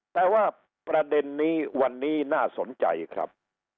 แต่ว่าประเด็นนี้วันนี้น่าสนใจครับ